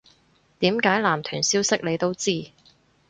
點解男團消息你都知